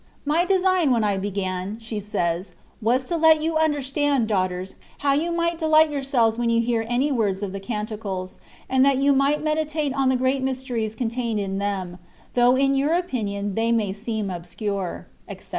''My design when I began,'* she says, ''was to let you understand, daughters, how you might delight yourselves when you hear any words of the Canticles, and that you might meditate on the great mysteries contained in them, though in your own opinion they may seem obscure, &e.